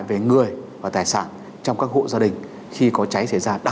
những người và tài sản trong các hộ gia đình khi có cháy xảy ra đặc biệt là ban đêm